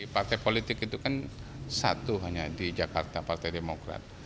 partai politik itu kan satu hanya di jakarta partai demokrat